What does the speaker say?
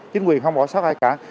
chính quyền không bỏ sót ai cả